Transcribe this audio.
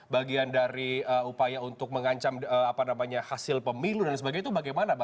bagian dari upaya untuk mengancam hasil pemilu dan sebagainya itu bagaimana bang